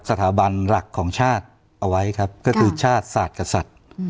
สถาบันหลักของชาติเอาไว้ครับก็คือชาติสัตว์กับสัตว์